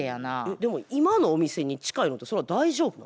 でも今のお店に近いのってそれは大丈夫なの？